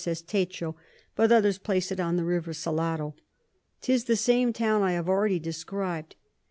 says Techo, but others place it on the River Salado. 'Tis the same Town I have already describ'd.